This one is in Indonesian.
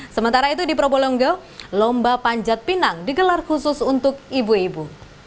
sementara itu di probolinggo lomba panjat pinang digelar khusus untuk ibu ibu